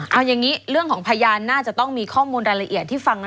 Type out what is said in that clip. เอาอย่างนี้เรื่องของพยานน่าจะต้องมีข้อมูลรายละเอียดที่ฟังนะ